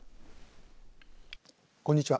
こんにちは。